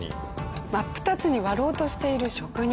真っ二つに割ろうとしている職人。